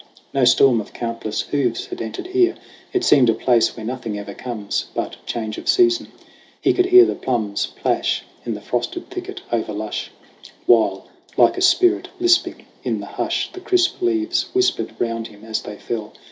No storm of countless hoofs had entered here : It seemed a place where nothing ever comes But change of season. He could hear the plums Plash in the frosted thicket, over lush ; While, like a spirit lisping in the hush, The crisp leaves whispered round him as they fell.